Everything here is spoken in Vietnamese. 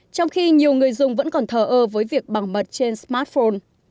trong khi nhiều người dùng vẫn còn thờ ơ với việc bằng mật trên smartphone